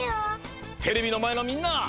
テレビのまえのみんな！